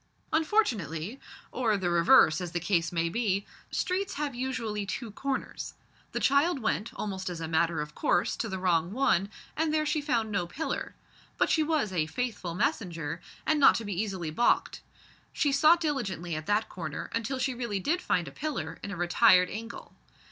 Unfortunately or the reverse, as the case may be streets have usually two corners. The child went, almost as a matter of course, to the wrong one, and there she found no pillar. But she was a faithful messenger, and not to be easily balked. She sought diligently at that corner until she really did find a pillar, in a retired angle.